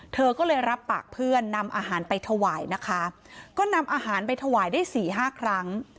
เธอก็เลยรับปากเพื่อนนำอาหารไปถวายนะคะก็นำอาหารไปถวายได้สี่ห้าครั้ง